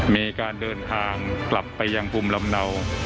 มีการเดินทางกลับไปยังภูมิลำเนา